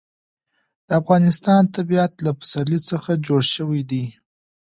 د افغانستان طبیعت له پسرلی څخه جوړ شوی دی.